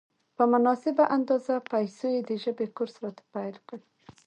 په مناسبه اندازه پیسو یې د ژبې کورس راته پېل کړ.